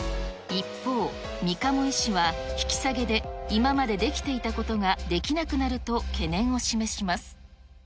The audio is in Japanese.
一方、三鴨医師は、引き下げで今までできていたことができなくなると懸念を示します。